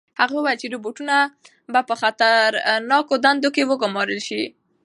هغه وویل چې روبوټونه به په خطرناکو دندو کې وګمارل شي.